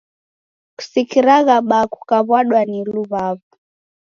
Kusikiragha baa kukaw'adwa ni luw'aw'o.